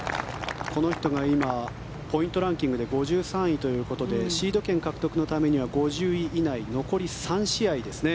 この人が今ポイントランキングで５３位ということでシード権獲得のためには５０位以内残り３試合ですね